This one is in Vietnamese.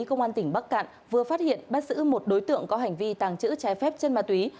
công an tỉnh bắc cạn vừa phát hiện bắt giữ một đối tượng có hành vi tàng trữ trái phép chân ma túy